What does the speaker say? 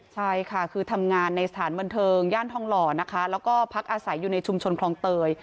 ใช่ค่ะคือทำงานในสถานบันเทิงย่านทองหล่อนะคะแล้วก็พักอาศัยอยู่ในชุมชนคลองเตย